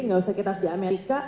gak usah kita di amerika